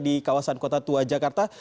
di kawasan kota tua jakarta